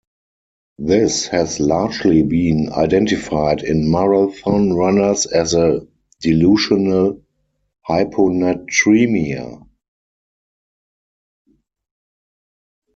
This has largely been identified in marathon runners as a dilutional hyponatremia.